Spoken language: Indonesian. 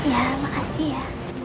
ya makasih ya